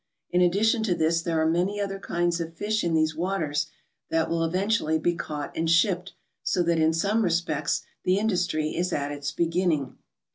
In addition to this there 'are many other kinds of fish in these waters that will eventually be caught and shipped, so that in some respects the industry is at its beginning.